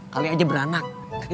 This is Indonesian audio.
kali aja beranak